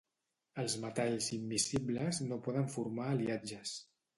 Els metalls immiscibles no poden formar aliatges.